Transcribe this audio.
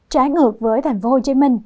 trái ngược với tp hcm